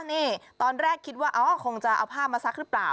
นี่ตอนแรกคิดว่าคงจะเอาผ้ามาซักหรือเปล่า